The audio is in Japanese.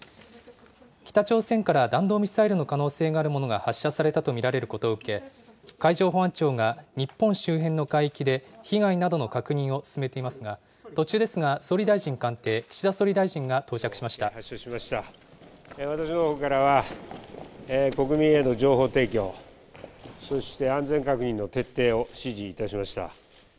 北朝鮮から弾道ミサイルの可能性があるものが発射されたと見られることを受け、海上保安庁が日本周辺の海域で、被害などの確認を進めていますが、途中ですが、総理大臣官邸、岸田総理大臣が到着私のほうからは、国民への情報提供、そして安全確認の徹底を指示いたしました。